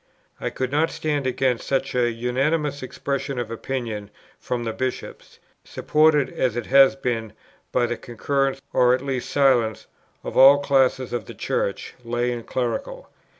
I could not stand against such an unanimous expression of opinion from the Bishops, supported, as it has been, by the concurrence, or at least silence, of all classes in the Church, lay and clerical.